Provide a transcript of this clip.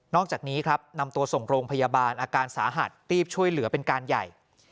อกจากนี้ครับนำตัวส่งโรงพยาบาลอาการสาหัสรีบช่วยเหลือเป็นการใหญ่